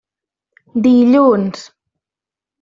Dilluns.